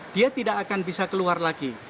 dia tidak akan bisa keluar lagi